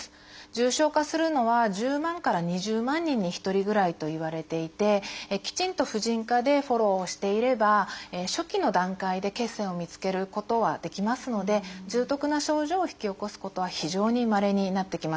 重症化するのは１０万から２０万人に１人ぐらいといわれていてきちんと婦人科でフォローをしていれば初期の段階で血栓を見つけることはできますので重篤な症状を引き起こすことは非常にまれになってきます。